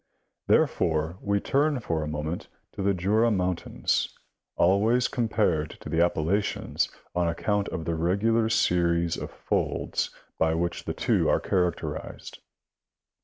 Therefore we turn for a moment to the Jura mountains, always compared to the Appalachians on account of the regular series of folds by which the two are char acterized.